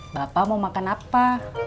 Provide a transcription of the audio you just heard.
bapak mau makan apa